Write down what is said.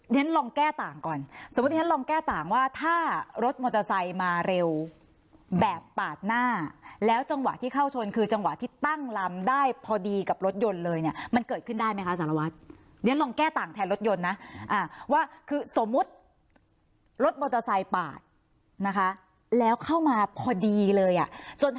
เรียนลองแก้ต่างก่อนสมมุติเรียนลองแก้ต่างว่าถ้ารถมอเตอร์ไซต์มาเร็วแบบปากหน้าแล้วจังหวะที่เข้าชนคือจังหวะที่ตั้งลำได้พอดีกับรถยนต์เลยเนี่ยมันเกิดขึ้นได้ไหมคะสารวัฒน์